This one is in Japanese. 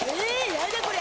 やだこれ。